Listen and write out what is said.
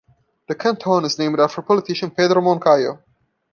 The canton is named after politician Pedro Moncayo.